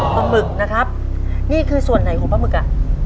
หมึกนะครับนี่คือส่วนไหนของปลาหมึกอ่ะ